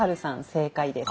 正解です。